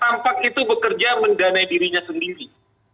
tampak itu bekerja mendanai dirinya sendiri